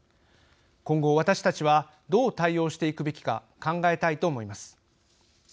今後、私たちはどう対応していくべきか考えたいと思います。